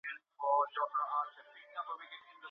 که کمپیوټر هیک سي نو معلومات غلا کیږي.